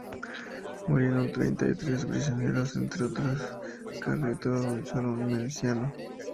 Murieron treinta y tres prisioneros, entre ellos Carretero, y sólo un miliciano.